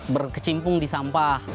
berkecimpung di sampah